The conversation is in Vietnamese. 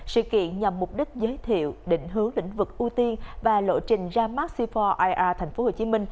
sự kiện nhằm mục đích giới thiệu định hướng lĩnh vực ưu tiên và lộ trình ra mắt c bốn ir tp hcm